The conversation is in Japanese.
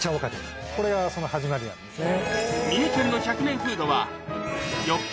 これがその始まりなんですね。